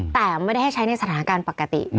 แต่ไม่ได้ให้ใช้ในสถานการณ์ปกติ